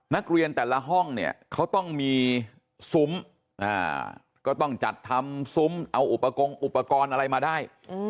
นักเรียนแต่ละห้องเนี่ยเขาต้องมีซุ้มก็ต้องจัดทำซุ้มเอาอุปกรณ์อุปกรณ์อะไรมาได้